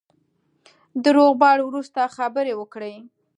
د روغبړ وروسته خبرې وکړې.